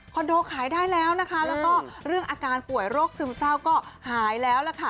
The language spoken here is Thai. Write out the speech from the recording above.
โดขายได้แล้วนะคะแล้วก็เรื่องอาการป่วยโรคซึมเศร้าก็หายแล้วล่ะค่ะ